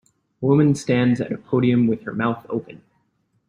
A woman stands at a podium with her mouth open